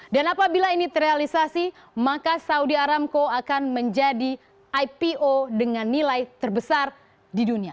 dan apabila ini terrealisasi maka saudi aramco akan menjadi ipo dengan nilai terbesar di dunia